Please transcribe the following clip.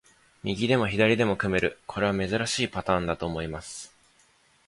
右でも左でも組める、これは珍しいパターンだと思います。